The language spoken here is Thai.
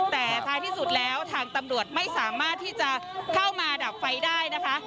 แต่ท้ายที่สุดแล้วทางตำรวจไม่สามารถที่จะเข้ามาดับไฟได้นะคะ